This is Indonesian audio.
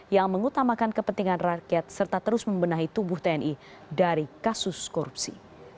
yang mengutamakan kepentingan rakyat serta terus membenahi tubuh tni dari kasus korupsi